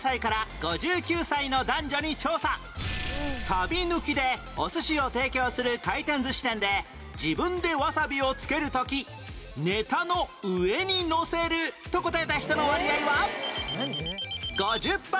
さび抜きでお寿司を提供する回転寿司店で自分でわさびをつける時ネタの上にのせると答えた人の割合は